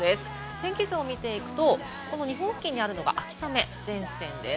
天気図を見ていくと、日本付近にあるのが秋雨前線です。